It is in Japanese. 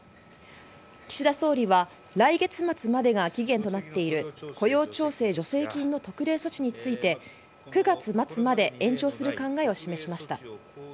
岸田総理は、来月末までが期限となっている雇用調整助成金の特例措置について、９月末まで延長する考えを示しました。